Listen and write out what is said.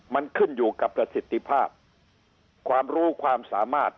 มันขึ้นอยู่กับประสิทธิภาพความรู้ความสามารถ